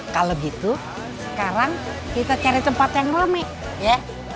kalau gitu sekarang kita cari tempat yang rame ya